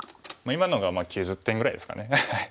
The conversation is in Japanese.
今のが９０点ぐらいですかね。